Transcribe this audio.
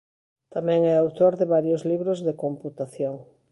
Tamén é autor de varios libros de computación.